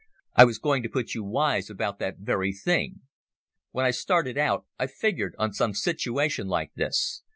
"I was going to put you wise about that very thing. When I started out I figured on some situation like this.